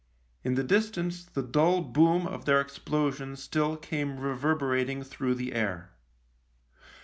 In the distance the dull boom of their explosion still came reverberating through the air.